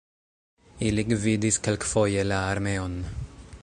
Ili gvidis kelkfoje la armeon.